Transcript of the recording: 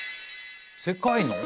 世界の？